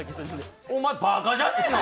お前バカじゃねえの？